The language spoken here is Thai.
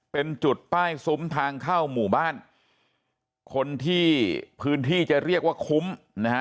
เป็นจุดป้ายซุ้มทางเข้าหมู่บ้านคนที่พื้นที่จะเรียกว่าคุ้มนะฮะ